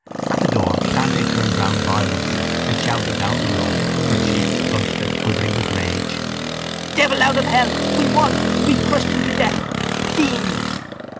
At the door Dante turned round violently and shouted down the room, her cheeks flushed and quivering with rage: —Devil out of hell! We won! We crushed him to death! Fiend!